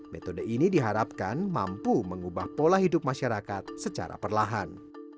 metode ini diharapkan mampu mengubah pola hidup masyarakat secara perlahan